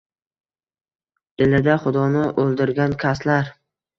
Dilida xudoni oʻldirgan kaslar